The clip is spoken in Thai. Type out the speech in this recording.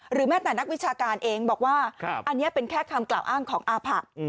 แม้แต่นักวิชาการเองบอกว่าอันนี้เป็นแค่คำกล่าวอ้างของอาผะ